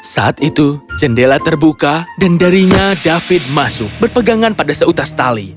saat itu jendela terbuka dan darinya david masuk berpegangan pada seutas tali